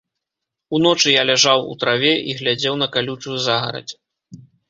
Уночы я ляжаў у траве і глядзеў на калючую загарадзь.